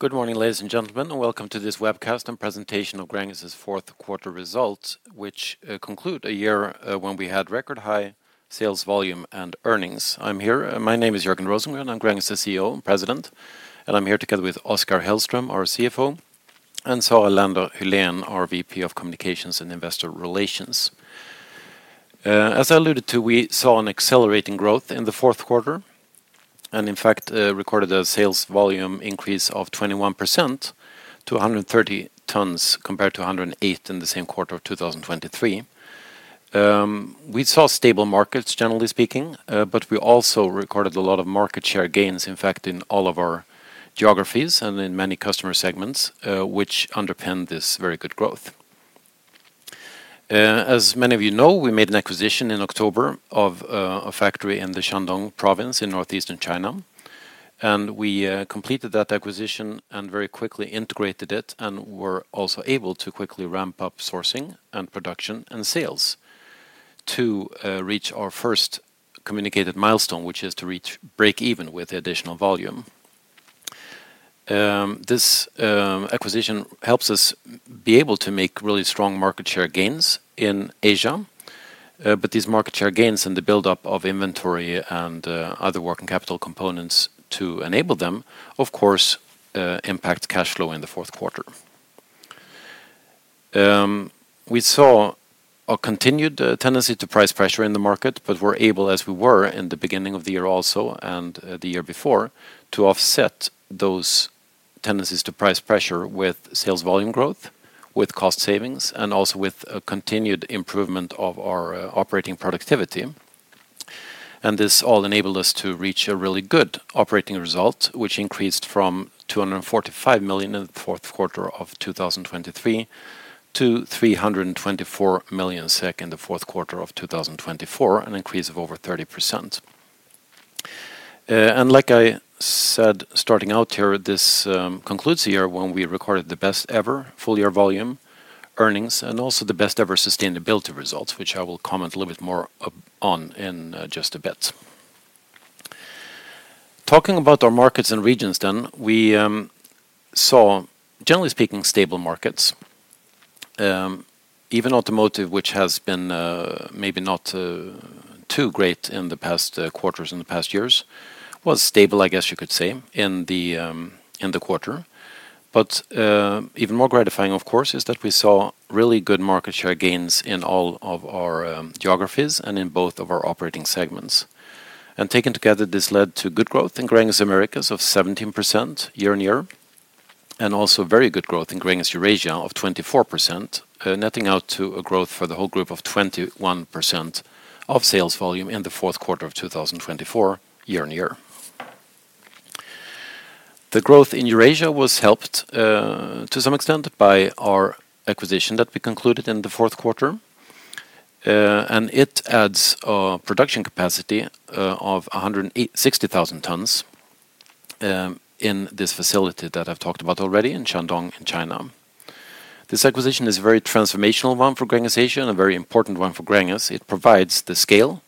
Good morning ladies and gentlemen and welcome to this webcast and presentation of Gränges' fourth quarter results which conclude a year when we had record high sales volume and earnings. I'm here, my name is Jörgen Rosengren, I'm Gränges CEO and President and I'm here together with Oskar Hellström, our CFO and Sara Lander Hyléen, our VP of Communications and Investor Relations. As I alluded to, we saw an accelerating growth in the fourth quarter and in fact recorded a sales volume increase of 21% to 130 tonnes compared to 108 in the same quarter of 2023. We saw stable markets generally speaking, but we also recorded a lot of market share gains in fact in all of our geographies and in many customer segments which underpinned this very good growth. As many of you know, we made an acquisition in October of a factory in the Shandong province in northeastern China, and we completed that acquisition and very quickly integrated it and were also able to quickly ramp up sourcing and production and sales to reach our first communicated milestone which is to reach break even with additional volume. This acquisition helps us be able to make really strong market share gains in Asia, but these market share gains and the buildup of inventory and other working capital components to enable them of course impacts cash flow. In the fourth quarter we saw a continued tendency to price pressure in the market but were able, as we were in the beginning of the year also and the year before to offset those tendencies to price pressure with sales volume growth, with cost savings and also with a continued improvement of our operating productivity, and this all enabled us to reach a really good operating result which increased from 245 million in the fourth quarter of 2023 to 324 million SEK in the fourth quarter of 2024, an increase of over 30%. And like I said, starting out here, this concludes the year when we recorded the best ever full year volume earnings and also the best ever sustainability results which I will comment a little bit more on in just a bit talking about our markets and regions, then we saw generally speaking stable markets. Even automotive which has been maybe not too great in the past quarters, in the past years was stable, I guess you could say in the quarter, but even more gratifying of course is that we saw really good market share gains in all of our geographies and in both of our operating segments, and taken together this led to good growth in Gränges Americas of 17% year-over-year and also very good growth in Gränges Eurasia of 24%, netting out to a growth for the whole group of 21% of sales volume in the fourth quarter of 2024, year-over-year. The growth in Eurasia was helped to some extent by our acquisition that we concluded in the fourth quarter, and it adds production capacity of 160,000 tons in this facility that I've talked about already in Shandong in China. This acquisition is a very transformational one for Gränges Asia and a very important one for Gränges. It provides the scale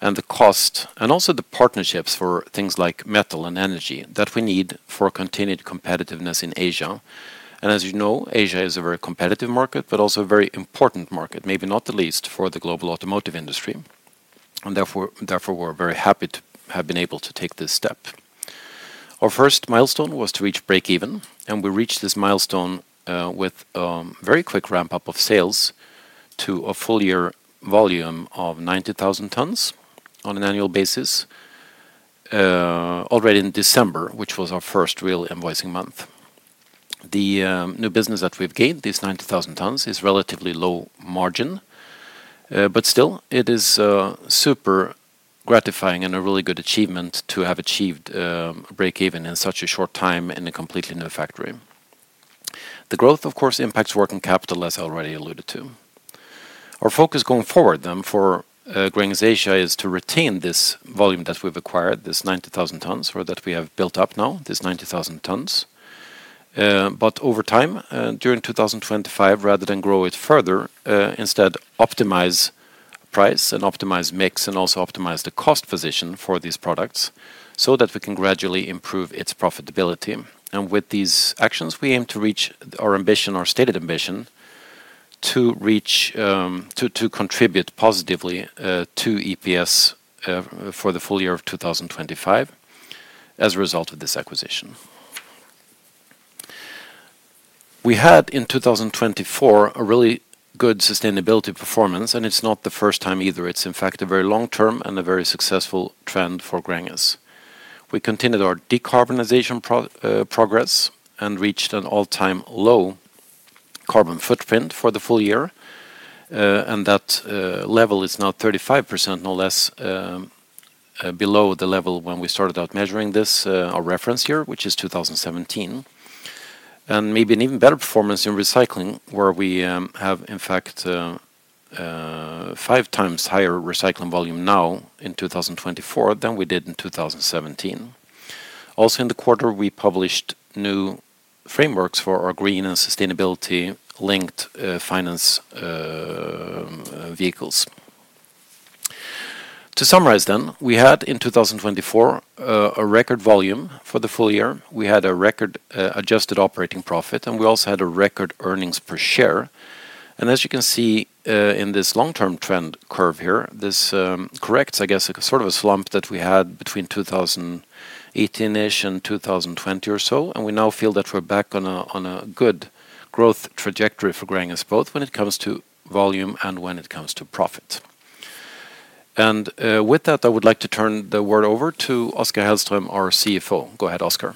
and the cost and also the partnerships for things like metal and energy that we need for continued competitiveness in Asia. And as you know, Asia is a very competitive market, but also a very important market, maybe not the least for the global automotive industry. And therefore we're very happy to have been able to take this step. Our first milestone was to reach break even. And we reached this milestone with very quick ramp up of sales to a full year volume of 90,000 tons on an annual basis already in December, which was our first real invoicing month. The new business that we've gained this 90,000 tons is relatively low margin, but still it is super gratifying and a really good achievement to have achieved a break even in such a short time in a completely new factory. The growth of course impacts working capital, as already alluded to. Our focus going forward then for Gränges Eurasia is to retain this volume that we've acquired, this 90,000 tons, or that we have built up now this 90,000 tonnes, but over time during 2025, rather than grow it further, instead optimize price and optimize mix and also optimize the cost position for these products so that we can gradually improve its profitability, and with these actions we aim to reach our ambition, our stated ambition to reach to contribute positively to EPS for the full year of 2025. As a result of this acquisition, we had in 2024 a really good sustainability performance. It's not the first time either. It's in fact a very long-term and a very successful trend for Gränges. We continued our decarbonization progress and reached an all-time low carbon footprint for the full year. That level is now 35%, no less, below the level when we started out measuring this, our reference year, which is 2017, and maybe an even better performance in recycling, where we have in fact five times higher recycling volume now in 2024 than we did in 2017. Also in the quarter we published new frameworks for our green and sustainability-linked finance vehicles. To summarize then, we had in 2024 a record volume. For the full year we had a record adjusted operating profit and we also [had a] record earnings per share. As you can see in this long term trend curve here, this corrects, I guess, sort of a slump that we had between 2018ish and 2020 or so. We now feel that we're back on a good growth trajectory for Gränges both when it comes to volume and when it comes to profit. With that I would like to turn the word over to Oskar Hellström, our CFO. Go ahead, Oskar.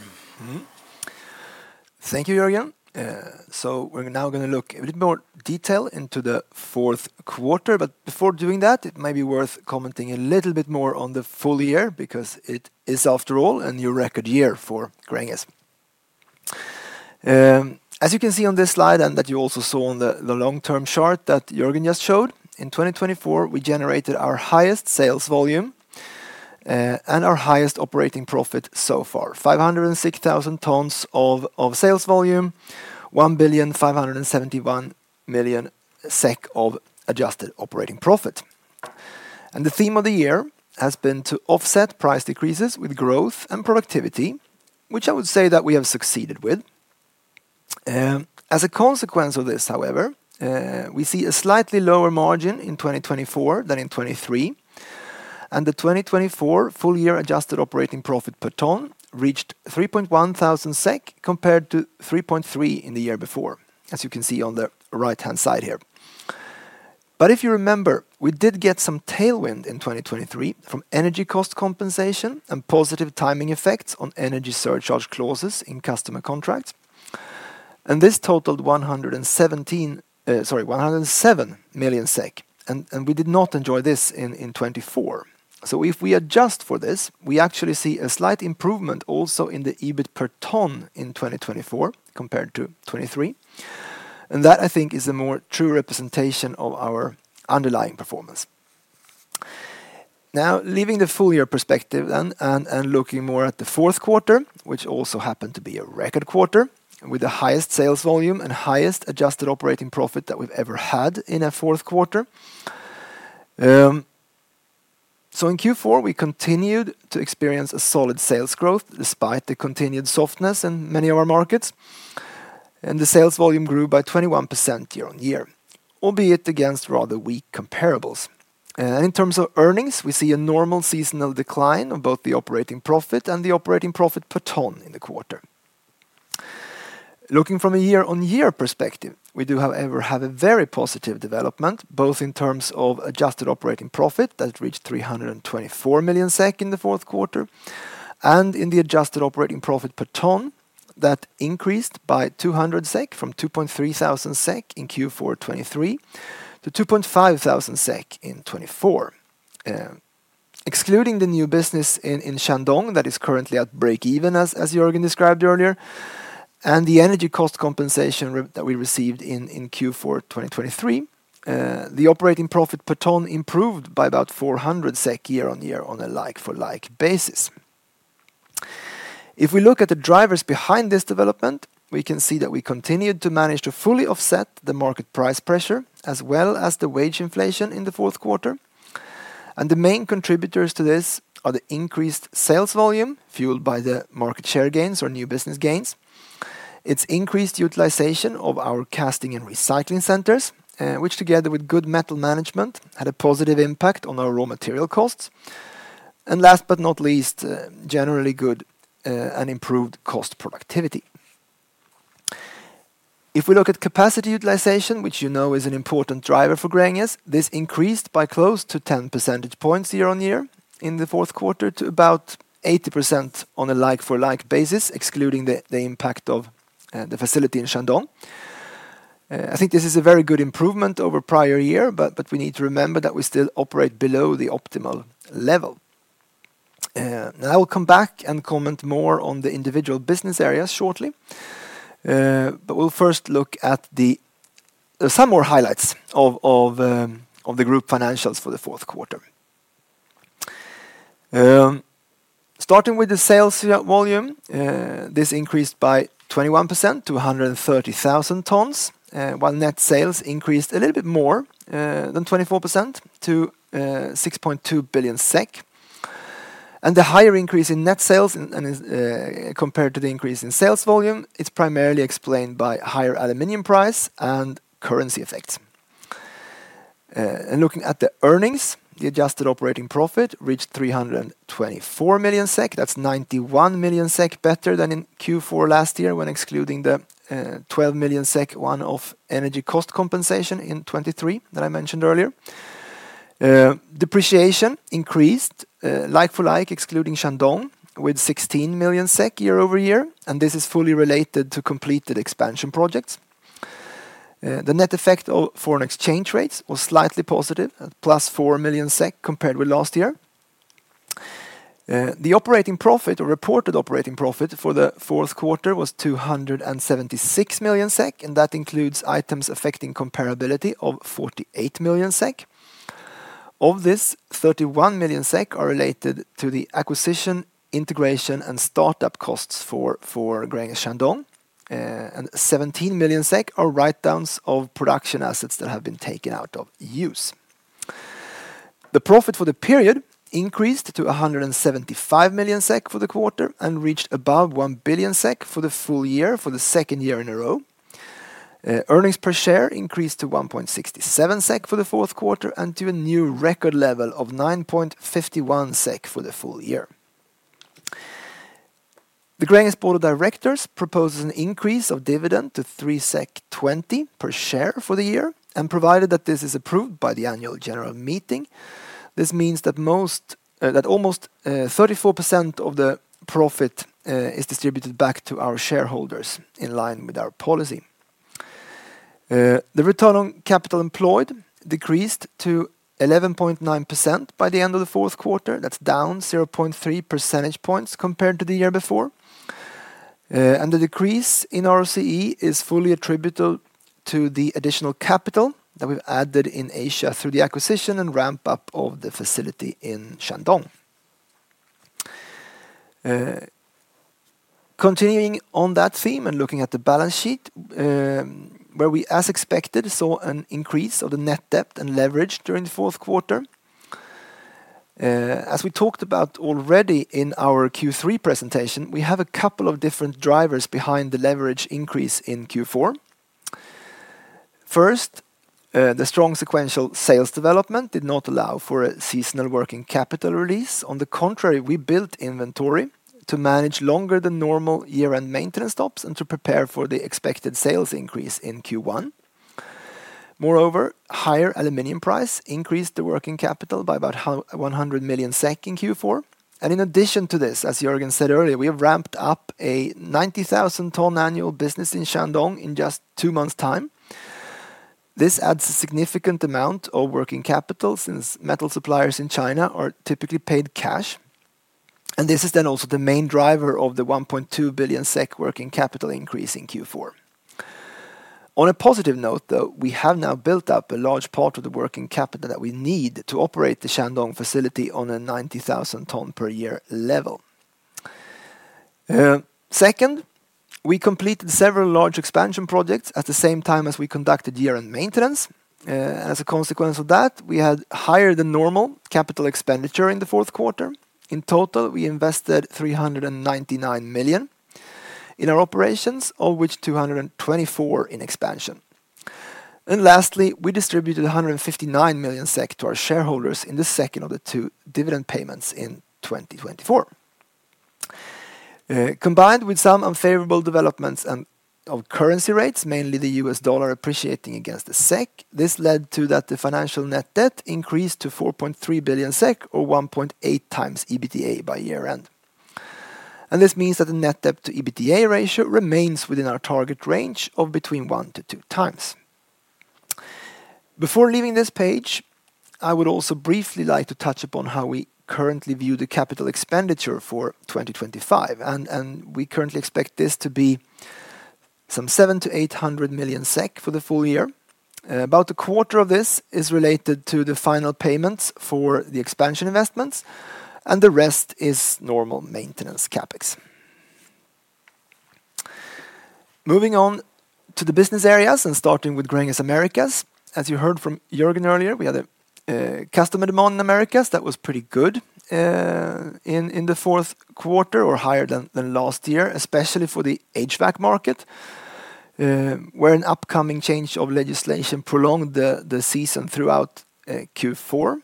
Thank you, Jörgen. We're now going to look a bit more detail into the fourth quarter, but before doing that it may be worth commenting a little bit more on the full year because it is after all a new record year for Gränges. As you can see on this slide and that you also saw on the long-term chart that Jörgen just showed, in 2024 we generated our highest sales volume and our highest operating profit so far. 506,000 tonnes of sales volume, SEK 1,571,000,000 of adjusted operating profit. And the theme of the year has been to offset price decreases with growth and productivity, which I would say that we have succeeded with. As a consequence of this, however, we see a slightly lower margin in 2024 than in 2023 and the 2024 full year adjusted operating profit per tonne reached 3.1 thousand SEK compared to 3.3 in the year before, as you can see on the right hand side here, but if you remember, we did get some tailwind in 2023 from energy cost compensation and positive timing effects on energy surcharge clauses in customer contracts, and this totaled 107 million SEK, and we did not enjoy this in 2024, so if we adjust for this, we actually see a slight improvement also in the EBIT per ton in 2024 compared to 2023, and that I think is a more true representation of our underlying performance. Now leaving the full year perspective and looking more at the fourth quarter, which also happened to be a record quarter with the highest sales volume and highest adjusted operating profit that we've ever had in a fourth quarter. So in Q4 we continued to experience a solid sales growth despite the continued softness in many of our markets. And the sales volume grew by 21% year-over-year, albeit against rather weak comparables in terms of earnings. We see a normal seasonal decline of both the operating profit and the operating profit per tonne in the quarter. Looking from a year-over-year perspective, we do however have a very positive development both in terms of adjusted operating profit that reached 324 million SEK in the fourth quarter and in the adjusted operating profit per tonne that increased by 200 SEK from 2.3 thousand SEK in Q4 2023 to 2.5 thousand SEK in 2024. Excluding the new business in Shandong that is currently at break even as Jörgen described earlier and the energy cost compensation that we received in Q4 2020, the operating profit per tonne improved by about 400 SEK year-over-year on a like for like basis. If we look at the drivers behind this development, we can see that we continued to manage to fully offset the market price pressure as well as the wage inflation in the fourth quarter. The main contributors to this are the increased sales volume fueled by the market share gains or new business gains, its increased utilization of our casting and recycling centers, which together with good metal management had a positive impact on our raw material costs and last but not least, generally good and improved cost productivity. If we look at capacity utilization, which you know is an important driver for Gränges, this increased by close to 10 percentage points year-over-year in the fourth quarter to about 80% on a like for like basis excluding the impact of the facility in Shandong. I think this is a very good improvement over prior year, but we need to remember that we still operate below the optimal level. I will come back and comment more on the individual business areas shortly, but we'll first look at some more highlights of the group financials for the fourth quarter. Starting with the sales volume, this increased by 21% to 130,000 tonnes while net sales increased a little bit more than 24% to 6.2 billion SEK. And the higher increase in net sales compared to the increase in sales volume is primarily explained by higher aluminum price and currency effects. Looking at the earnings, the adjusted operating profit reached 324 million SEK. That's 91 million SEK better than in Q4 last year. When excluding the 12 million SEK of energy cost compensation in 2023 that I mentioned earlier, depreciation increased like for like excluding Shandong with 16 million SEK year over year and this is fully related to completed expansion projects. The net effect of foreign exchange rates was slightly positive at plus 4 million SEK compared with last year. The operating profit or reported operating profit for the fourth quarter was 276 million SEK, and that includes items affecting comparability of 48 million SEK, of this 31 million SEK are related to the acquisition, integration and startup costs for Gränges Shandong and 17 million SEK are write-downs of production assets that have been taken out of use. The profit for the period increased to 175 million SEK for the quarter and reached above 1 billion SEK for the full year. For the second year in a row, earnings per share increased to 1.67 SEK for the fourth quarter and to a new record level of 9.51 SEK for the full year. The Gränges Board of Directors proposes an increase of dividend to 3.20 SEK per share for the year and provided that this is approved by the annual general meeting, this means that almost 34% of the profit is distributed back to our shareholders. In line with our policy, the return on capital employed decreased to 11.9% by the end of the fourth quarter. That's down 0.3 percentage points compared to the year before and the decrease in ROCE is fully attributable to the additional capital that we've added in Asia through the acquisition and ramp up of the facility in Shandong. Continuing on that theme and looking at the balance sheet where we as expected saw an increase of the net debt and leverage during the fourth quarter. As we talked about already in our Q3 presentation, we have a couple of different drivers behind the leverage increase in Q4. First, the strong sequential sales development did not allow for a seasonal working capital release. On the contrary, we built inventory to manage longer than normal year-end maintenance stops and to prepare for the expected sales increase in Q1. Moreover, higher aluminum price increased the working capital by about 100 million SEK in Q4 and in addition to this, as Jörgen said earlier, we have ramped up a 90,000 ton annual business in Shandong in just two months time. This adds a significant amount of working capital since metal suppliers in China are typically paid cash and this is then also the main driver of the 1.2 billion SEK working capital increase in Q4. On a positive note though, we have now built up a large part of the working capital that we need to operate the Shandong facility on a 90,000 tons per year level. Second, we completed several large expansion projects at the same time as we conducted year-end maintenance. As a consequence of that, we had higher than normal capital expenditure in the fourth quarter. In total, we invested 399 million in our operations of which 224 million in expansion. And lastly, we distributed 159 million SEK to our shareholders in the second of the two dividend payments in 2024. Combined with some unfavorable developments of currency rates, mainly the US dollar appreciating against the SEK, this led to that the financial net debt increased to 4.3 billion SEK or 1.8 times EBITDA by year end and this means that the net debt to EBITDA ratio remains within our target range of between one to two times. Before leaving this page, I would also briefly like to touch upon how we currently view the capital expenditure for 2025 and we currently expect this to be some 700-800 million SEK for the full year. About a quarter of this is related to the final payments for the expansion investments and the rest is normal maintenance capex. Moving on to the business areas and starting with Gränges Americas, as you heard from Jörgen earlier, we had a customer demand in Americas that was pretty good in the fourth quarter or higher than last year, especially for the HVAC market where an upcoming change of legislation prolonged the season throughout Q4.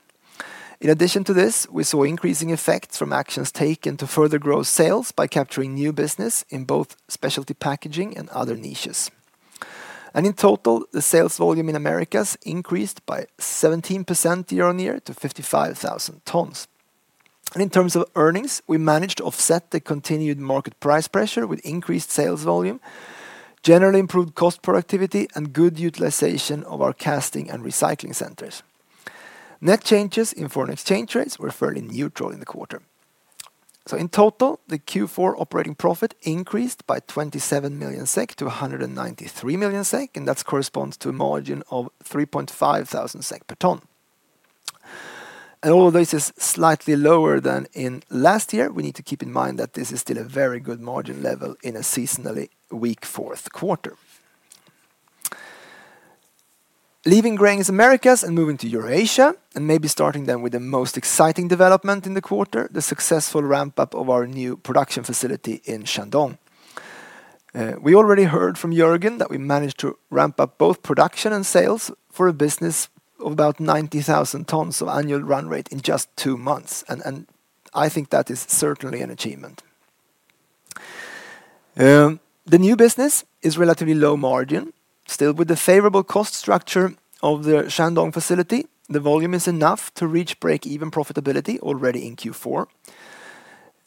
In addition to this, we saw increasing effects from actions taken to further grow sales by capturing new business in both specialty packaging and other niches and in total the sales volume in Americas increased by 17% year-over-year to 55,000 tonnes. In terms of earnings, we managed to offset the continued market price pressure with increased sales volume, generally improved cost productivity and good utilization of our casting and recycling centers. Net changes in foreign exchange rates were fairly neutral in the quarter, so in total the Q4 operating profit increased by 27 million SEK to 193 million SEK and that corresponds to margin of 3.5 thousand SEK/t. Although this is slightly lower than in last year, we need to keep in mind that this is still a very good margin level in a seasonally weak fourth quarter leaving Gränges Americas and moving to Eurasia and maybe starting then with the most exciting development in the quarter, the successful ramp up of our new production facility in Shandong. We already heard from Jörgen that we managed to ramp up both production and sales for a business of about 90,000 tonnes of annual run rate in just two months and I think that is certainly an achievement. The new business is relatively low margin still, with the favorable cost structure of the Shandong facility. The volume is enough to reach break-even profitability already in Q4,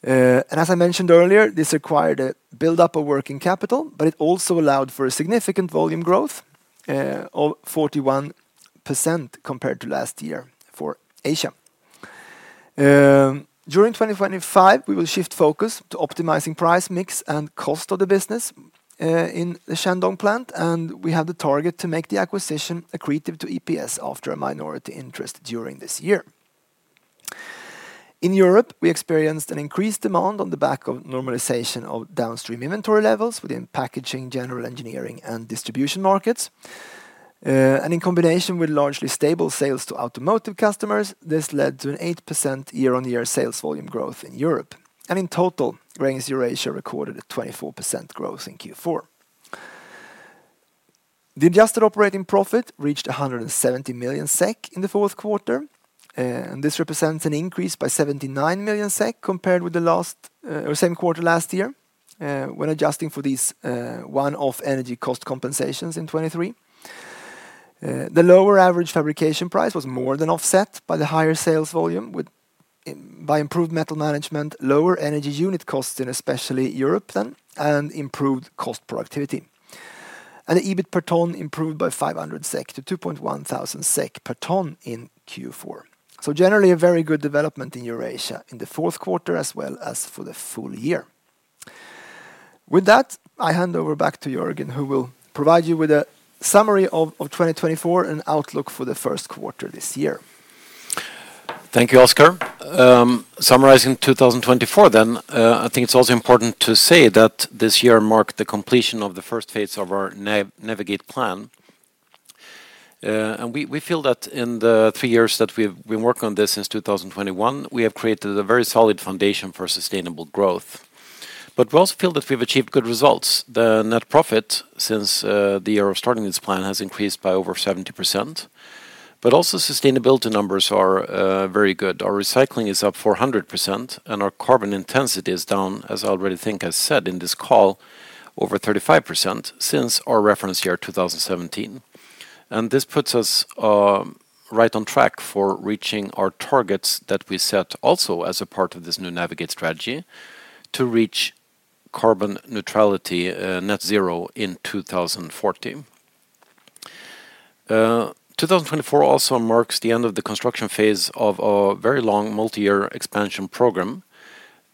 and as I mentioned earlier, this required a buildup of working capital, but it also allowed for a significant volume growth of 41% compared to last year for Asia. During 2025 we will shift focus to optimizing price mix and cost of the business in the Shandong plant, and we have the target to make the acquisition accretive to EPS after a minority interest. During this year in Europe we experienced an increased demand on the back of normalization of downstream inventory levels within packaging, general engineering and distribution markets, and in combination with largely stable sales to automotive customers. This led to an 8% year-on-year sales volume growth in Europe, and Gränges Eurasia recorded a 24% growth in Q4. The adjusted operating profit reached 170 million SEK in the fourth quarter, and this represents an increase by 79 million SEK compared with the same quarter last year. When adjusting for these one-off energy cost compensations in 2023, the lower average fabrication price was more than offset by the higher sales volume by improved metal management, lower energy unit costs in especially Europe then, and improved cost productivity, and the EBIT per tonne improved by 500 SEK to 2.1 thousand SEK per tonne in Q4. Generally a very good development in Eurasia in the fourth quarter as well as for the full year. With that, I hand over back to Jörgen who will provide you with a summary of 2024 and outlook for the first quarter this year. Thank you, Oskar. Summarizing 2024 then, I think it's also important to say that this year marked the completion of the first phase of our Navigate plan and we feel that in the three years that we've been working on this since 2021, we have created a very solid foundation for sustainable growth. But we also feel that we've achieved good results. The net profit since the year of starting this plan has increased by over 70%. But also sustainability numbers are very good. Our recycling is up 400% and our carbon intensity is down, as I already think I said in this call, over 35% since our reference year 2017. And this puts us right on track for reaching our targets that we set also as a part of this new Navigate strategy to reach carbon neutrality, net zero in 2040. 2024 also marks the end of the construction phase of a very long multi year expansion program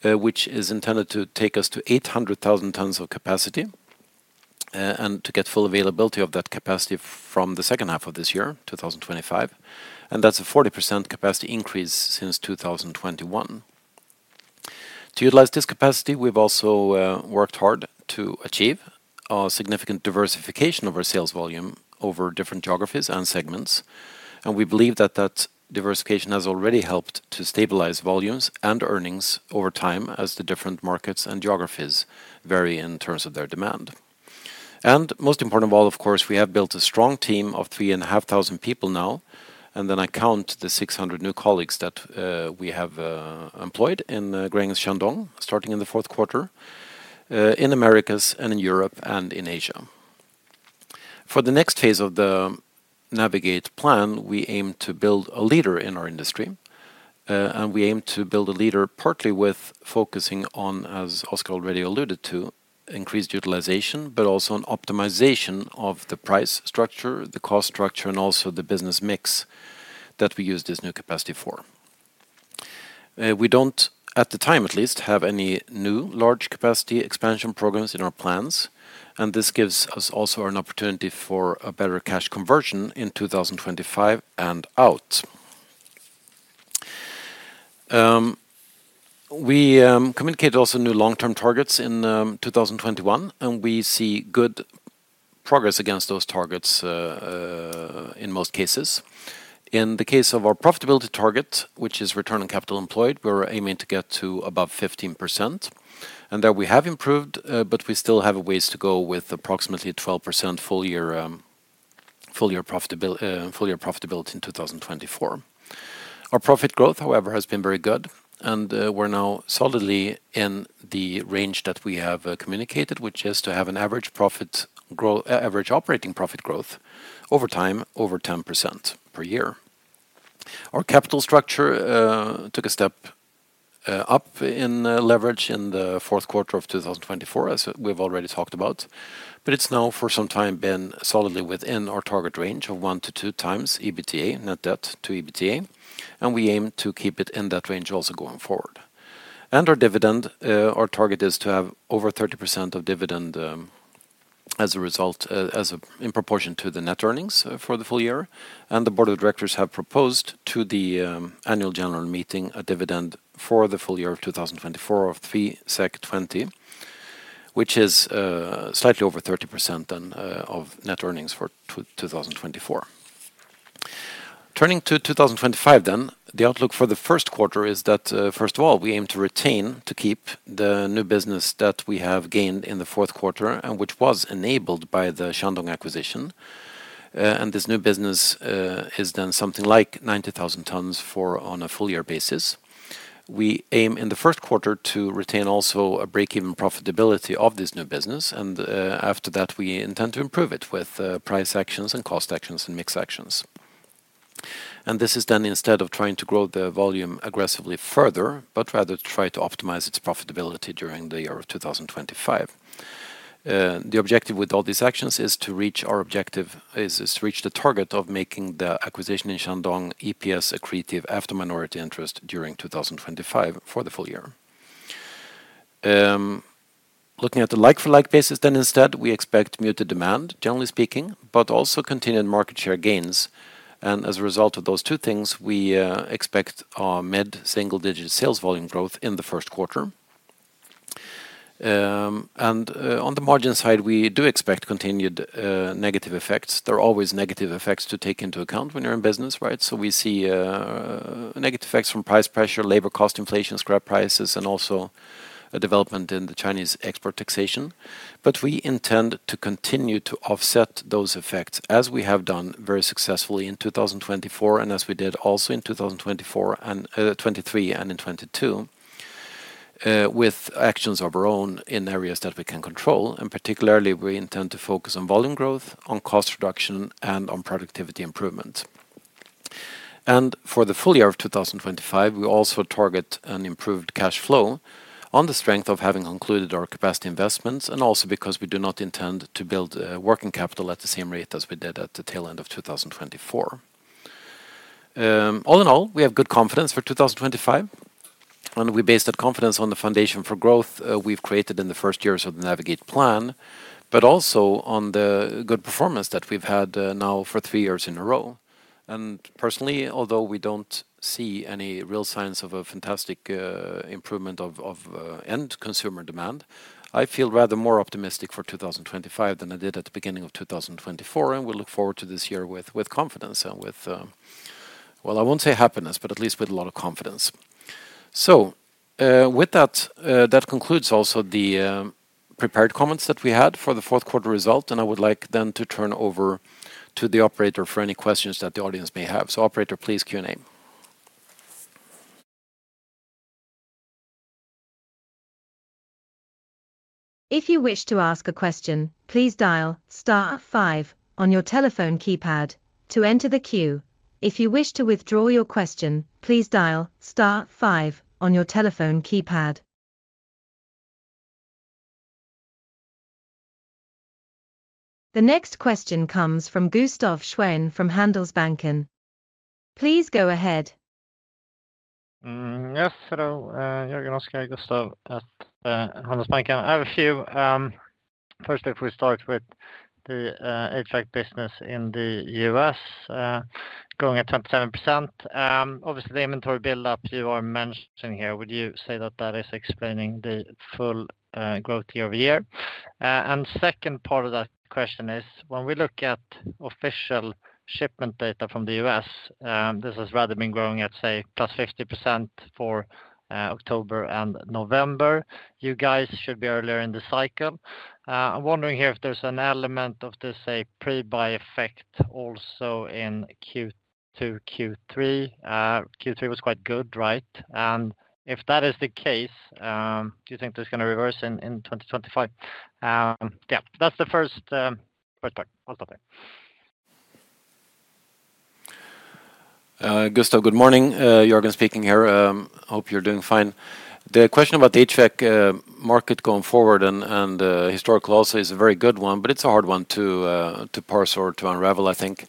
which is intended to take us to 800,000 tons of capacity and to get full availability of that capacity from the second half of this year 2025 and that's a 40% capacity increase since 2021. To utilize this capacity, we've also worked hard to achieve a significant diversification of our sales volume over different geographies and segments, and we believe that that diversification has already helped to stabilize volumes and earnings over time as the different markets and geographies vary in terms of their demand. Most important of all, of course we have built a strong team of 3,500 people now and then I count the 600 new colleagues that we have employed in Gränges Shandong starting in the fourth quarter in Americas and in Europe and in Asia for the next phase of the Navigate plan. We aim to build a leader in our industry and we aim to build a leader partly with focusing on, as Oskar already alluded to, increased utilization, but also an optimization of the price structure, the cost structure and also the business mix that we use this new capacity for. We don't at the time at least have any new large capacity expansion programs in our plans and this gives us also an opportunity for a better cash conversion in 2025 out. We communicate also new long-term targets in 2021 and we see good progress against those targets in most cases. In the case of our profitability target which is return on capital employed, we're aiming to get to above 15% and there we have improved but we still have a ways to go with approximately 12% full year, full year profitability in 2024. Our profit growth however has been very good and we're now solidly in the range that we have communicated which is to have an average operating profit growth over time over 10% per year. Our capital structure took a step up in leverage in the fourth quarter of 2024 as we've already talked about, but it's now for some time been solidly within our target range of 1-2 times EBITDA net debt to EBITDA and we aim to keep it in that range also going forward. Our dividend, our target is to have over 30% of dividend as a result in proportion to the net earnings for the full year. The Board of Directors have proposed to the annual general meeting a dividend for the full year of 2024 of 3.20 SEK which is slightly over 30% of net earnings for 2024. Turning to 2025 then, the outlook for the first quarter is that first of all we aim to retain the new business that we have gained in the fourth quarter and which was enabled by the Shandong acquisition. This new business is then something like 90,000 tonnes on a full year basis. We aim in the first quarter to retain also a breakeven profitability of this new business and after that we intend to improve it with price actions and cost mix actions. This is done instead of trying to grow the volume aggressively further, but rather to try to optimize its profitability during the year of 2025. The objective with all these actions is to reach the target of making the acquisition in Shandong EPS accretive after minority interest during 2025 for the full year. Looking at the like for like basis then instead we expect muted demand generally speaking, but also continued market share gains. As a result of those two things we expect mid single digit sales volume growth in the first quarter. On the margin side we do expect continued negative effects. There are always negative effects to take into account when you're in business, right? We see negative effects from price pressure, labor cost inflation, scrap prices and also a development in the Chinese export taxation. But we intend to continue to offset those effects as we have done very successfully in 2024 and as we did also in 2024 and 2023 and in 2022 with actions of our own in areas that we can control. And particularly we intend to focus on volume growth, on cost reduction and on productivity improvement. And for the full year of 2025 we also target an improved cash flow on the strength of having concluded our capacity investments and also because we do not intend to build working capital at the same rate as we did at the tail end of 2024. All in all, we have good confidence for 2025 and we base that confidence on the foundation for growth we've created in the first years of the Navigate plan, but also on the good performance that we've had now for three years in a row. And personally, although we don't see any real signs of a fantastic improvement of end consumer demand, I feel rather more optimistic for 2025 than I did at the beginning of 2024. And we look forward to this year with confidence and with, well, I won't say happiness, but at least with a lot of confidence. So with that, that concludes also the prepared comments that we had for the fourth quarter result and I would like then to turn over to the operator for any questions that the audience may have. So operator please. Q&A. If you wish to ask a question, please dial on your telephone keypad to enter the queue. If you wish to withdraw your question, please dial 5 on your telephone keypad. The next question comes from Gustaf Schwerin from Handelsbanken. Please go ahead. Yes, hello, Gustaf, Handelsbanken. I have a few. First, if we start with the HVAC business in the U.S. growing at 7%, obviously the inventory buildup you are mentioning here, would you say that that is explaining the full growth year over year? And second part of that question is when we look at official shipment data from the U.S. this has rather been growing at say +50% for October and November you guys should be earlier in the cycle. I'm wondering here if there's an element of this, a pre-buy effect also in Q2, Q3. Q3 was quite good. Right. And if that is the case, do you think this is going to reverse in 2025? Yeah, that's the first. I'll stop there. Gustav, good morning. Jörgen speaking here. Hope you're doing fine. The question about the HVAC market going forward and historical also is a very good one, but it's a hard one to parse or to unravel. I think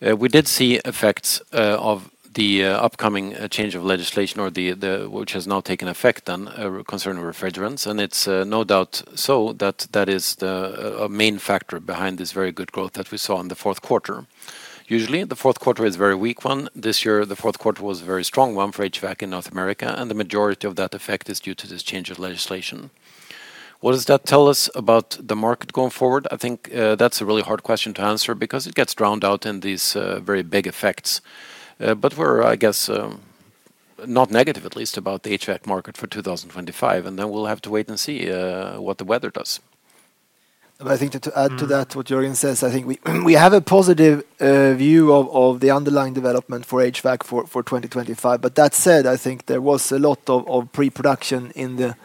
we did see effects of the upcoming change of legislation which has now taken effect then concerning refrigerants and it's no doubt so that that is the main factor behind this very good growth that we saw in the fourth quarter. Usually the fourth quarter is very weak one. This year the fourth quarter was a very strong one for HVAC in North America and the majority of that effect is due to this change of legislation. What does that tell us about the market going forward? I think that's a really hard question to answer because it gets drowned out in these very big effects. But we're, I guess, not negative at least about the HVAC market for 2025, and then we'll have to wait and see what the weather does. I think to add to that what Jörgen says, I think we have a positive view of the underlying development for HVAC for 2025. But that said, I think there was a lot of pre production in the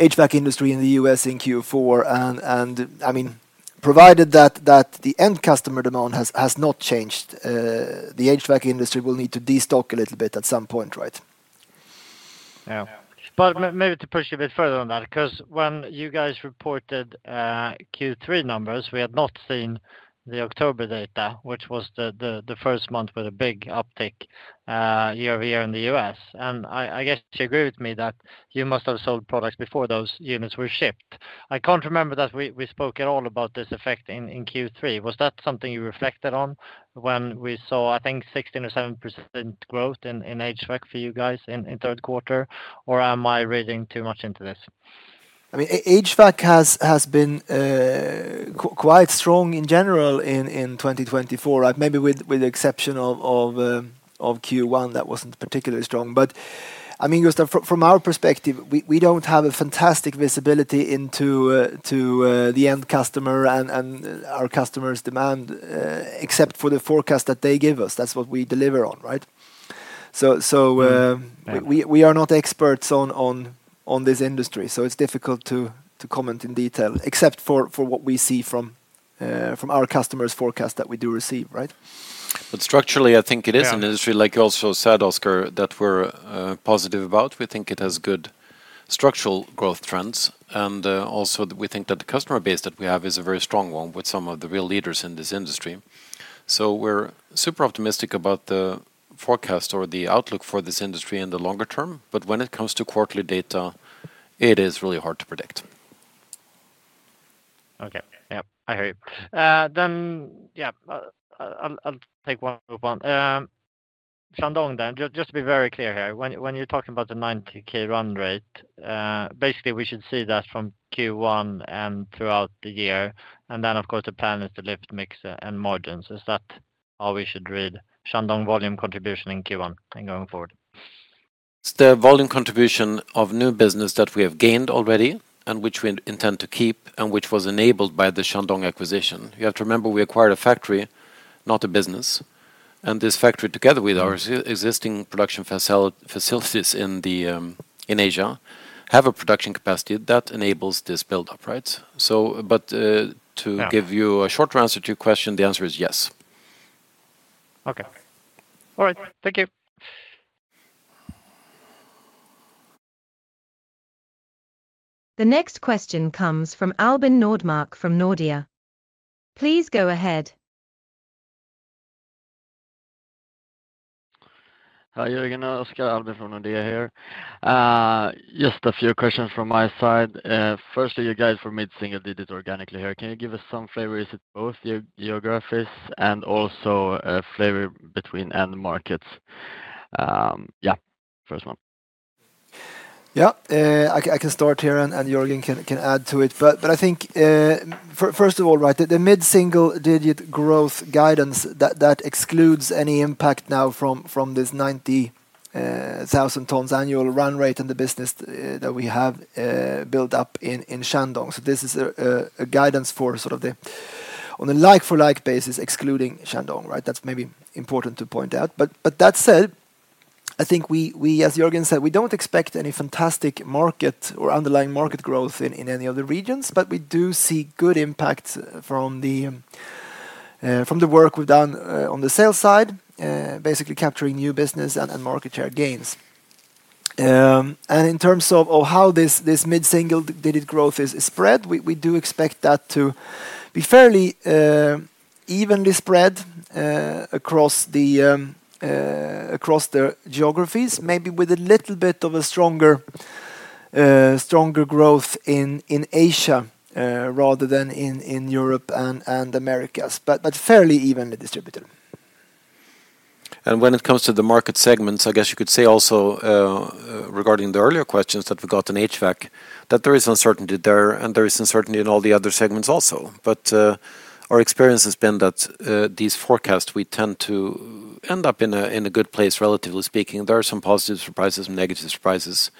HVAC industry in the U.S., and I mean provided that the end customer demand has not changed, the HVAC industry will need to destock a little bit at some point. Right. But maybe to push a bit further on that because when you guys reported Q3 numbers, we had not seen the October data which was the first month with a big uptick year over year in the U.S. And I guess you agree with me that you must have sold products before those units were shipped. I can't remember that we spoke at all about this effect in Q3. Was that something you reflected on when we saw I think 16% or 17% growth in HVAC for you guys in third quarter, or am I reading too much into this? HVAC has been quite strong in general in 2024. Maybe with the exception of Q1 that wasn't particularly strong. But I mean Gustav, from our perspective, we don't have a fantastic visibility into the customer and our customers' demand except for the forecast that they give us. That's what we deliver on. Right. So we are not experts on this industry. So it's difficult to comment in detail except for what we see from our customers forecast that we do receive. Right. But structurally I think it is an industry like you also said, Oscar, that we're positive about. We think it has good structural growth trends and also we think that the customer base that we have is a very strong one with some of the real leaders in this industry. So we're super optimistic about the forecast or the outlook for this industry in the longer term. But when it comes to quarterly data, it is really hard to predict. Okay, yeah, I hear you then. Yeah, I'll take one Shandong then. Just to be very clear here, when you're talking about the 90k run rate, basically we should see that from Q1 and throughout the year, and then of course the plan is to lift mix and margins. Is that how we should read Shandong volume contribution in Q1 going forward? It's the volume contribution of new business that we have gained already and which we intend to keep and which was enabled by the Shandong acquisition. You have to remember we acquired a factory, not a business. And this factory together with our existing production facilities in Asia have a production capacity that enables this buildup. Right. So but to give you a shorter answer to your question, the answer is yes. Okay. All right, thank you. The next question comes from Albin Nordmark from Nordea. Please go ahead. Hi Jörgen. Oskar, Albin from Nordea here. Just a few questions from my side. Firstly, you guys for mid single did it organically here. Can you give us some flavor? Is it both geographies and also flavor between end markets? Yeah, first one. Yeah, I can start here and Jörgen can add to it. But I think first of all, right, the mid single digit growth guidance that excludes any impact now from this 90,000 tons annual run rate and the business that we have built up in Shandong. So this is a guidance for sort of the, on a like, for like basis excluding Shandong. Right. That's maybe important to point out but that said, I think we, as Jörgen said, we don't expect any fantastic market or underlying market growth in any of the regions. But we do see good impact from the work we've done on the sales side basically capturing new business and market share gains. In terms of how this mid single digit growth is spread, we do expect that to be fairly evenly spread across the geographies, maybe with a little bit of a stronger growth in Asia rather than in Europe and Americas, but fairly evenly distributed. And when it comes to the market segments, I guess you could say also regarding the earlier questions that we got in HVAC that there is uncertainty there and there is uncertainty in all the other segments also. But our experience has been that these forecasts we tend to end up in a good place, relatively speaking. There are some positive surprises, negative surprises,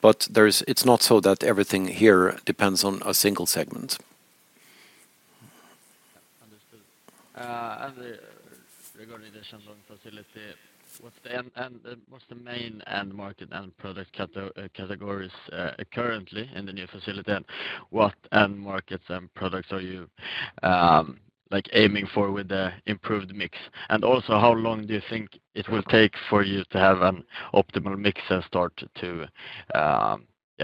but it's not so that everything here depends on a single segment. Regarding the Shandong facility, what's the main end market, end product categories currently in the new facility? What end markets and products are you aiming for with the improved mix? And also how long do you think it will take for you to have an optimal mix and start to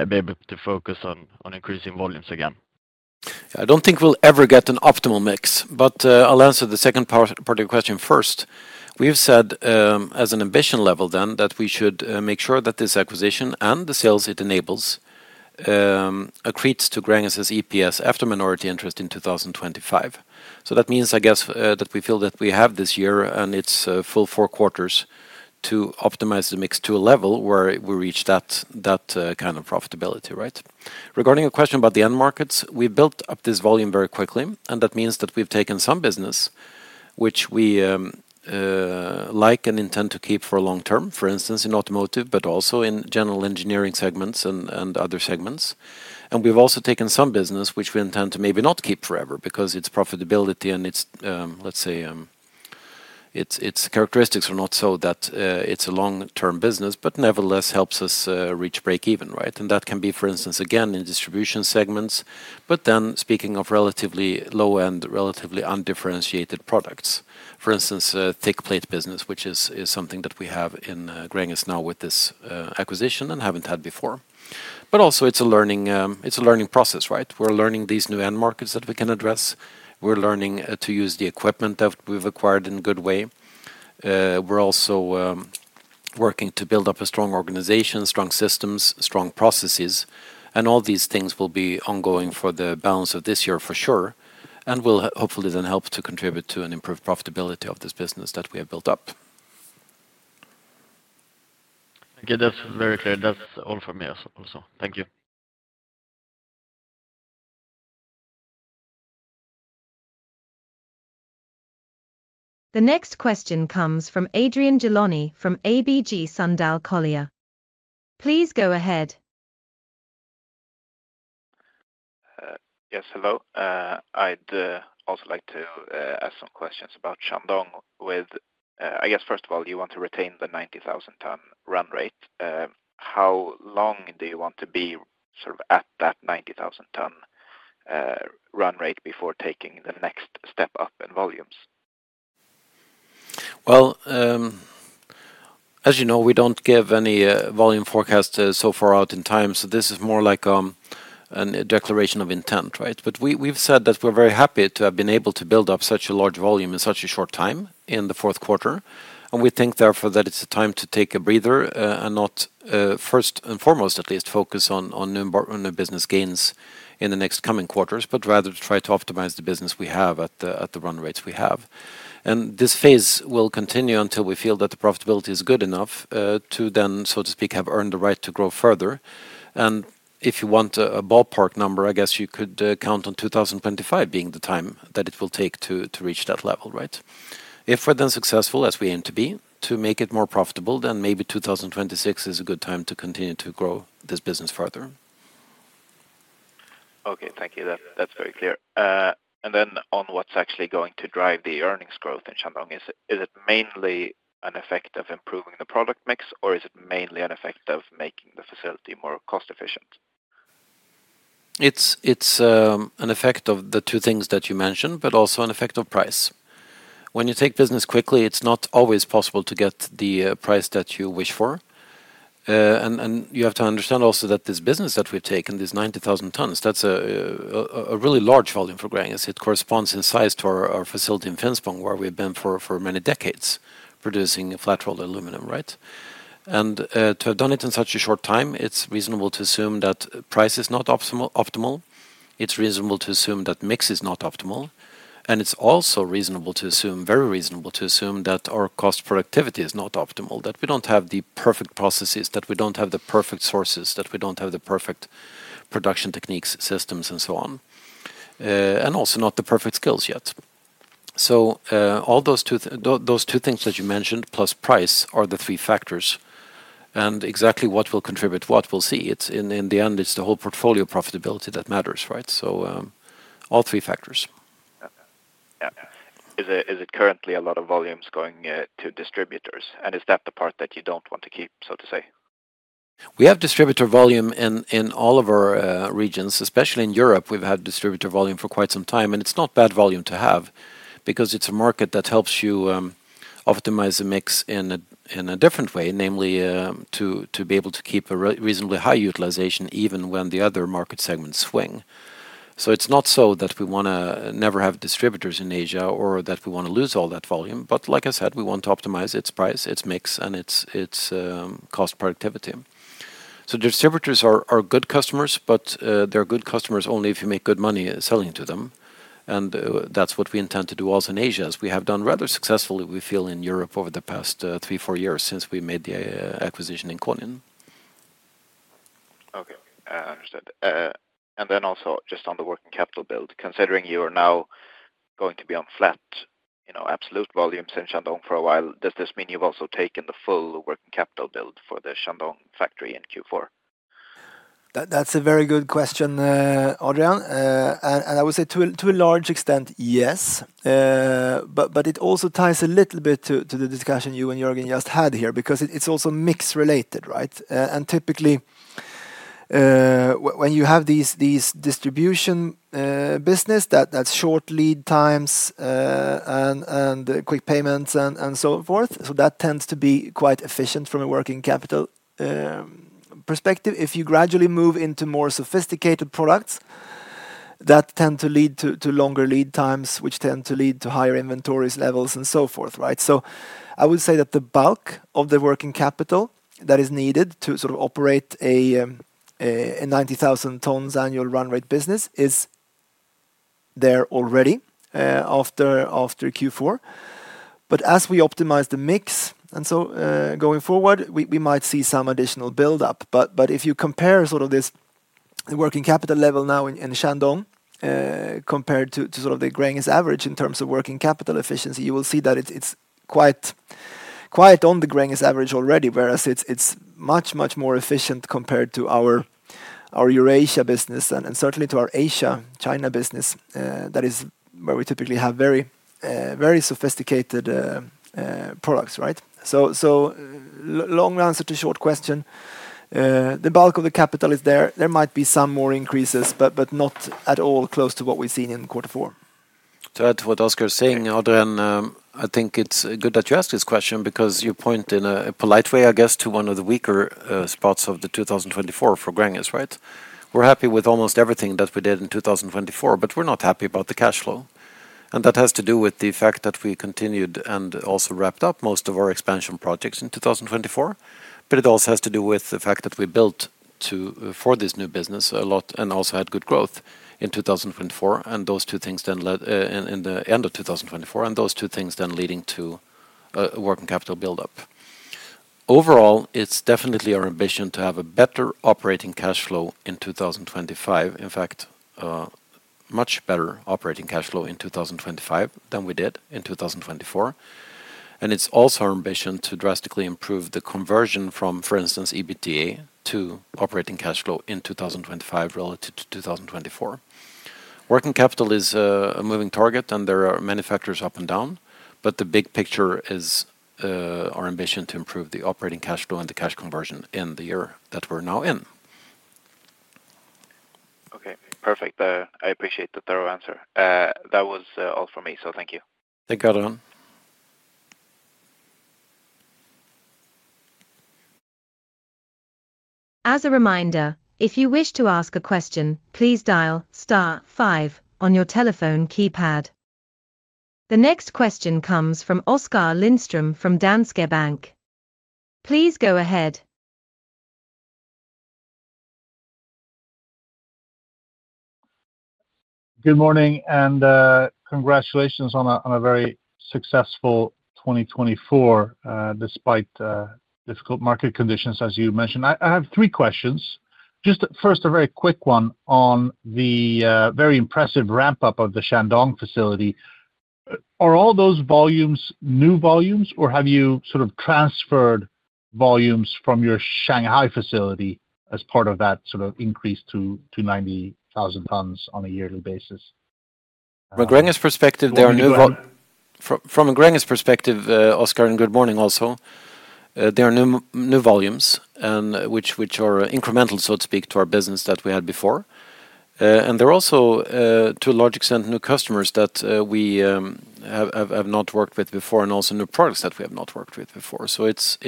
be able to focus on increasing volumes? Again, I don't think we'll ever get an optimal mix. But I'll answer the second part of your question first. We've said as an ambition level then that we should make sure that this acquisition and the sales it enables accretes to Gränges EPS after minority interest in 2025. So that means, I guess that we feel that we have this year and its full four quarters to optimize the mix to a level where we reach that kind of profitability. Right. Regarding a question about the end markets, we built up this volume very quickly and that means that we've taken some business which we like and intend to keep for long term, for instance in automotive, but also in general engineering segments and other segments. We've also taken some business which we intend to maybe not keep forever because its profitability and its, let's say its characteristics are not so that it's a long term business, but nevertheless helps us reach break even. Right? That can be for instance again in distribution segments. Speaking of relatively low end, relatively undifferentiated products, for instance thick plate business, which is something that we have in Gränges now with this acquisition and haven't had before. Also it's a learning, it's a learning process, right? We're learning these new end markets that we can address. We're learning to use the equipment that we've acquired in a good way. We're also working to build up a strong organization, strong systems, strong processes, and all these things will be ongoing for the balance of this year for sure and will hopefully then help to contribute to an improved profitability of this business that we have built up. Okay, that's very clear. That's all for me also. Thank you. The next question comes from Adrian Gilani from ABG Sundal Collier. Please go ahead. Yes, hello. I'd also like to ask some questions about Shandong. I guess first of all, you want to retain the 90,000 ton run rate. How long do you want to be sort of at that 90,000 ton run rate before taking the next step up in volumes? As you know, we don't give any volume forecast so far out in time. So this is more like a declaration of intent. Right. But we've said that we're very happy to have been able to build up such a large volume in such a short time in the fourth quarter. And we think therefore that it's time to take a breather and not first and foremost, at least focus on new business gains in the next coming quarters, but rather to try to optimize the business we have at the run rates we have. And this phase will continue until we feel that the profitability is good enough to then, so to speak, have earned the right to grow further. And if you want a ballpark number, I guess you could count on 2025 being the time that it will take to reach that level. Right. If we're then successful as we aim to be to make it more profitable, then maybe 2026 is a good time to continue to grow this business further. Okay, thank you, that's very clear. And then on what's actually going to drive the earnings growth in Shandong? Is it mainly an effect of improving the product mix, or is it mainly an effect of making the facility more cost efficient? It's an effect of the two things that you mentioned, but also an effect of price. When you take business quickly, it's not always possible to get the price that you wish for, and you have to understand also that this business that we've taken, this 90,000 tons, that's a really large volume for Gränges. It corresponds in size to our facility in Finspång, where we've been for many decades producing flat rolled aluminum. Right, and to have done it in such a short time, it's reasonable to assume that price is not optimal. It's reasonable to assume that mix is not optimal. And it's also reasonable to assume, very reasonable to assume that our cost productivity is not optimal, that we don't have the perfect processes, that we don't have the perfect sources, that we don't have the perfect production techniques, systems and so on, and also not the perfect skills yet. So all those two things that you mentioned, plus price are the three factors and exactly what will contribute what we'll see in the end, it's the whole portfolio profitability that matters. Right. So all three factors. Is it currently a lot of volumes going to distributors and is that the part that you don't want to keep? So to say we have distributor volume in all of our regions, especially in Europe. We've had distributor volume for quite some time and it's not bad volume to have because it's a market that helps you optimize the mix in a different way, namely to be able to keep a reasonably high utilization even when the other market segments swing. So it's not so that we want to never have distributors in Asia or that we want to lose all that volume, but like I said, we want to optimize its price, its mix and its cost productivity. So distributors are good customers, but they're good customers only if you make good money selling to them. And that's what we intend to do also in Asia, as we have done rather successfully we feel in Europe over the past three, four years since we made the acquisition in Konin. Okay, understood. And then also just on the working capital build, considering you are now going to be on flat absolute volumes in Shandong for a while, does this mean you've also taken the full working capital build for the Shandong factory in Q4? That's a very good question, Adrian. And I would say to a large extent, yes. But it also ties a little bit to the discussion you and Jörgen just had here because it's also mix related. Right. And typically when you have these distribution business that's short lead times and quick payments and so forth. So that tends to be quite efficient from a working capital perspective if you gradually move into more sophisticated products that tend to lead to longer lead times which tend to lead to higher inventories levels and so forth. Right. So I would say that the bulk of the working capital that is needed to sort of operate a 90,000 tonnes annual run rate business is there already after Q4. But as we optimize the mix and so going forward we might see some additional buildup. But if you compare sort of this, the working capital level now in Shandong compared to sort of the Gränges average in terms of working capital efficiency, you will see that it's quite on the Gränges' average already, whereas it's much, much more efficient compared to our Eurasia business and certainly to our Asia China business, that is where we typically have very, very sophisticated products. Right. So long answer to short question, the bulk of the capital is there. There might be some more increases, but not at all close to what we've seen in quarter four to add to. What Oskar is saying. Adrian, I think it's good that you ask this question because you point in a polite way, I guess, to one of the weaker spots of the 2024 for Gränges. Right. We're happy with almost everything that we did in 2024, but we're not happy about the cash flow. And that has to do with the fact that we continued and also wrapped up most of our expansion projects in 2024. But it also has to do with the fact that we built for this new business a lot and also had good growth in 2024. And those two things then led in the end of 2024 to working capital buildup. Overall, it's definitely our ambition to have a better operating cash flow in 2025, in fact, much better operating cash flow in 2025 than we did in 2024. And it's also our ambition to drastically improve the conversion from, for instance, EBITDA to operating cash flow in 2025 relative to 2024. Working capital is a moving target and there are many factors up and down, but the big picture is our ambition to improve the operating cash flow and the cash conversion in the year that we're now in. Okay, perfect. I appreciate the thorough answer. That was all for me, so thank you. They got on. As a reminder, if you wish to ask a question, please dial 5 on your telephone keypad. The next question comes from Oskar Lindström from Danske Bank. Please go ahead. Good morning and congratulations on a very successful 2024 despite difficult market conditions, as you mentioned. I have three questions just first, a very quick one on the very impressive ramp up of the Shandong facility. Are all those volumes new volumes or have you sort of transferred volumes from your Shanghai facility as part of that sort of increase to 90,000 tons on a yearly basis? From a Gränges perspective, Oskar, and good morning. Also there are new volumes which are incremental, so to speak, to our business that we had before. And they're also to a large extent new customers that we have not worked with before and also new products that we have not worked with before. So it's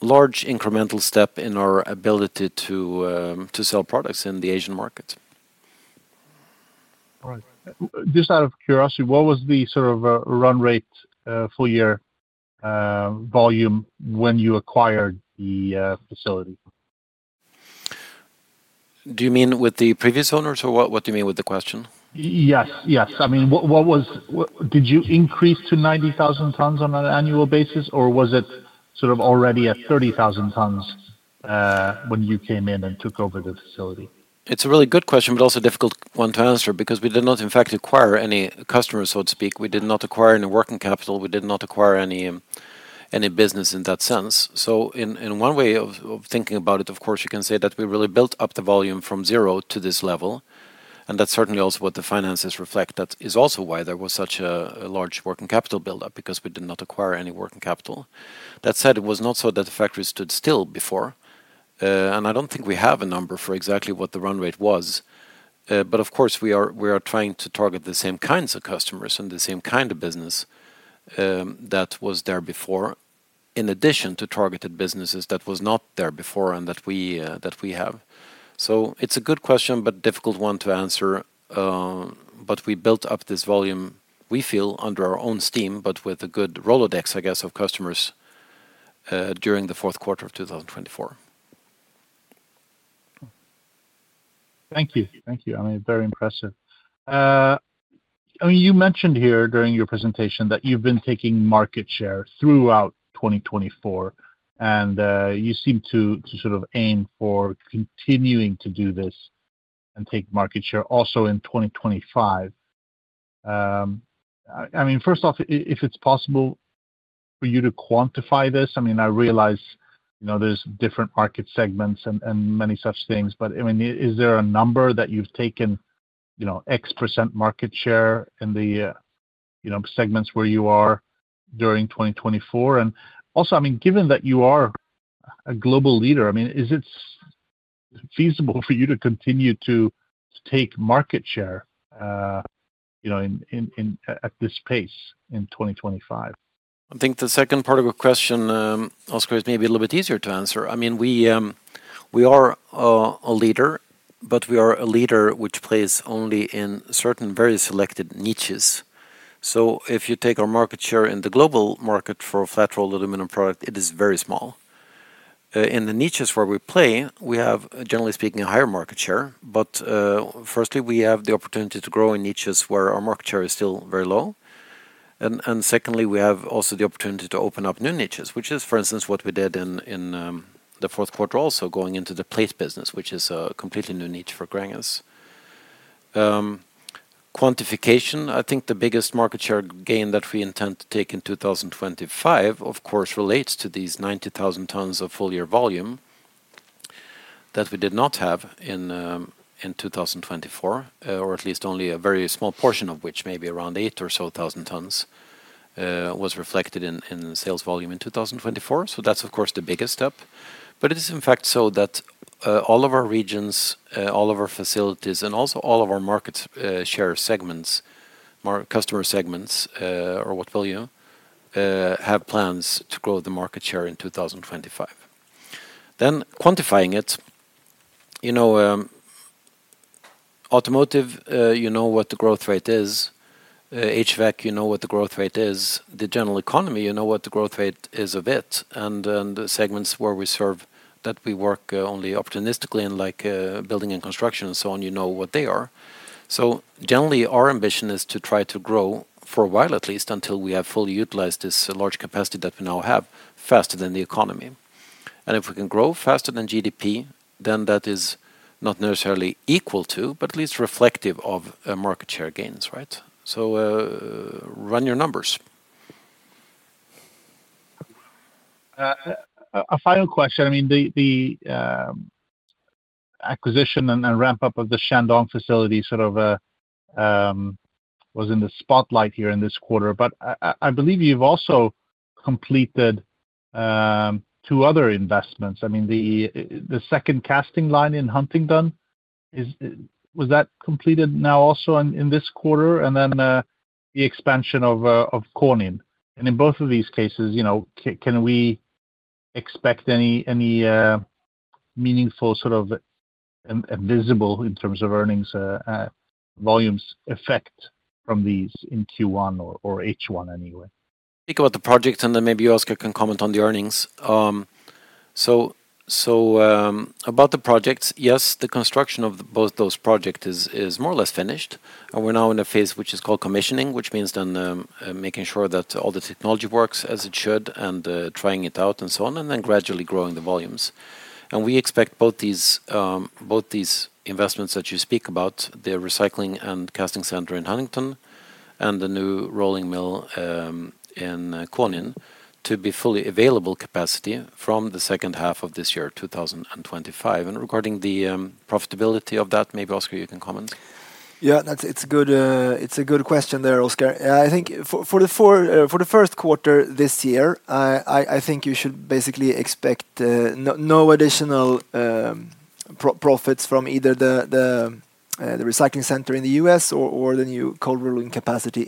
large incremental step in our ability to sell products in the Asian market. Just out of curiosity, what was the sort of run rate, full year volume when you acquired the facility? Do you mean with the previous owners or what do you mean with the question? Yes, yes. I mean what was. Did you increase to 90,000 tons on an annual basis or was it sort of already at 30,000 tons when you came in and took over the facility? It's a really good question, but also a difficult one to answer because we did not in fact acquire any customers, so to speak. We did not acquire any working capital, we did not acquire any business in that sense. So in one way of thinking about it, of course you can say that we really built up the volume from zero to this level and that's certainly also what the finances reflect. That is also why there was such a large working capital buildup, because we did not acquire any working capital. That said, it was not so that the factory stood still before. I don't think we have a number for exactly what the run rate was, but of course we are trying to target the same kinds of customers and the same kind of business that was there before, in addition to targeted businesses that was not there before and that we have. So it's a good question, but difficult one to answer. But we built up this volume, we feel, under our own steam, but with a good Rolodex, I guess, of customers during the fourth quarter of 2024. Thank you. Thank you. I mean, very impressive. You mentioned here during your presentation that you've been taking market share throughout 2024 and you seem to sort of aim for continuing to do this and take market share also in 2025. I mean, first off, if it's possible for you to quantify this, I mean, I realize, you know, there's different market segments and many such things, but I mean, is there a number that you've taken, you know, X% market share in the, you know, segments where you are during 2024? And also, I mean, given that you are global leader, I mean, is it feasible for you to continue to take market share at this pace in 2025? I think the second part of your question, Oskar, is maybe a little bit easier to answer. I mean, we are a leader, but we are a leader which plays only in certain very selected niches. So if you take our market share in the global market for flat rolled aluminum product, it is very small. In the niches where we play, we have, generally speaking, higher market share. But firstly we have the opportunity to grow in niches where our market share is still very low. And secondly, we have also the opportunity to open up new niches, which is, for instance, what we did in the fourth quarter, also going into the plate business, which is a completely new niche for Gränges Konin. I think the biggest market share gain that we intend to take in 2025, of course, relates to these 90,000 tons of full year volume that we did not have in 2024, or at least only a very small portion of which maybe around eight or so thousand tonnes was reflected in sales volume in 2024. So that's of course the biggest step. But it is in fact so that all of our regions, all of our facilities and also all of our market-share segments, customer segments or what have you have plans to grow the market share in 2025, then quantifying it, you know, automotive, you know what the growth rate is, HVAC, you know what the growth rate is, the general economy, you know what the growth rate is a bit. And segments where we serve that we work only opportunistically in, like building and construction and so on, you know what they are. So generally our ambition is to try to grow for a while, at least until we have fully utilized this large capacity that we now have faster than the economy. And if we can grow faster than GDP, then that is not necessarily equal to, but at least reflective of market share gains. Right. So run your numbers. A final question. I mean the acquisition and ramp up of the Shandong facility sort of was in the spotlight here in this quarter, but I believe you've also completed two other investments. I mean the second casting line in Huntingdon, was that completed now also in this quarter and then the expansion of Konin. And in both of these cases, you know, can we expect any meaningful sort of visible in terms of earnings volumes effect from these in Q1 or H1? Anyway, speak about the project and then maybe Oskar can comment on the earnings. So about the projects, yes, the construction of both those projects is more or less finished and we're now in a phase which is called commissioning, which means then making sure that all the technology works as it should and trying it out and so on, and then gradually growing the volumes. And we expect both these, both these investments that you speak about, the recycling and casting center in Huntingdon and the new rolling mill in Konin to be fully available capacity from the second half of this year, 2025. And regarding the profitability of that, maybe Oskar, you can comment. Yeah, it's a good question there, Oskar. I think for the first quarter this year, I think you should basically expect no additional profits from either the recycling center in the U.S. or the new cold rolling capacity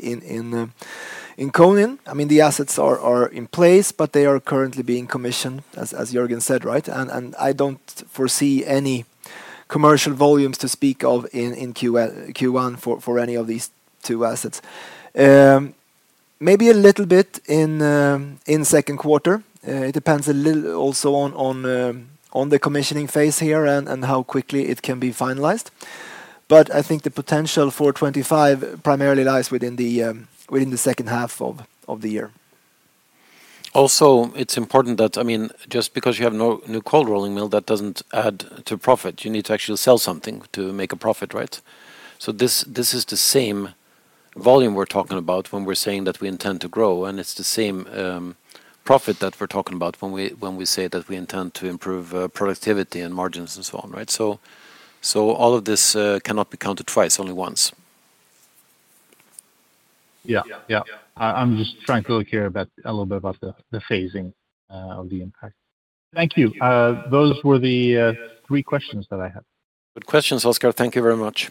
in Konin. I mean the assets are in place, but they are currently being commissioned, as Jörgen said. Right. And I don't think foresee any commercial volumes to speak of in Q1 for any of these two assets. Maybe a little bit in second quarter. It depends a little also on the commissioning phase here and how quickly it can be finalized. But I think the potential for 2025 primarily lies within the second half of the year. Also, it's important that, I mean, just because you have no new cold rolling mill that doesn't add to profit. You need to actually sell something to make a profit. Right. So this is the same volume we're talking about when we're saying that we intend to grow, and it's the same profit that we're talking about when we say that we intend to improve productivity and margins and so on. Right. So all of this cannot be counted twice. Only once. Yeah, yeah. I'm just trying to look here a little bit about the phasing of the impact. Thank you. Those were the three questions that I had. Good questions, Oskar, thank you very much.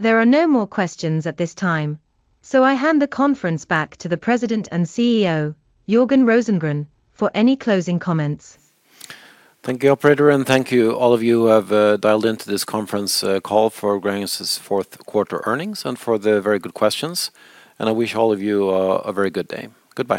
There are no more questions at this time. So I hand the conference back to the President and CEO Jörgen Rosengren for any closing comments. Thank you, operator. And thank you, all of you who have dialed into this conference call for Gränges' fourth quarter earnings and for the very good questions. And I wish all of you a very good day. Goodbye.